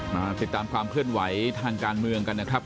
มาติดตามความเคลื่อนไหวทางการเมืองกันนะครับ